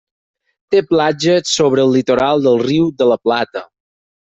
Té platges sobre el litoral del Riu de la Plata.